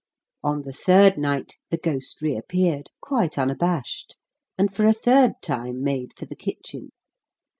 On the third night, the ghost reappeared, quite unabashed, and for a third time made for the kitchen.